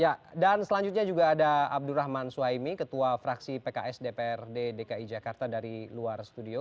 ya dan selanjutnya juga ada abdurrahman suhaimi ketua fraksi pks dprd dki jakarta dari luar studio